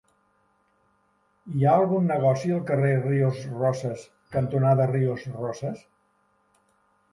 Hi ha algun negoci al carrer Ríos Rosas cantonada Ríos Rosas?